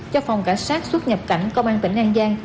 cho phòng cảnh sát xuất nhập cảnh công an tỉnh an giang